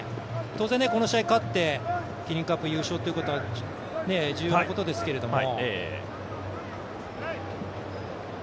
当然、この試合勝ってキリンカップ優勝というのも重要なことですけども。